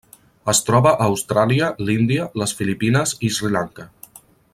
Es troba a Austràlia, l'Índia, les Filipines i Sri Lanka.